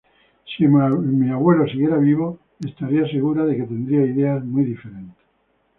Si mi abuelo siguiera vivo, estaría segura de que tendría ideas muy diferentes.